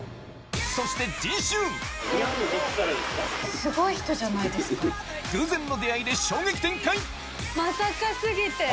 そして空前の出会いで衝撃展開！